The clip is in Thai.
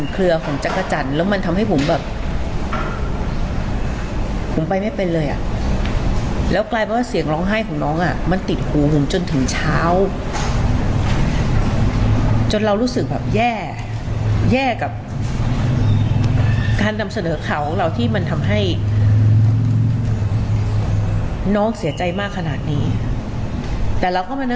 ก็บอกเลยว่ามันไม่ควรจะมาเจออะไรแบบนี้นะครับซึ่งเขาบอกว่า